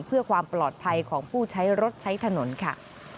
เพื่อความปลอดภัยของผู้ใช้รถใช้ถนนค่ะ